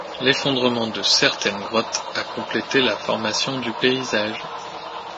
L'effondrement de certaines grottes a complété la formation du paysage.